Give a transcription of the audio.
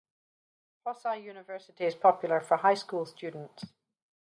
Hosei University is popular for high school students.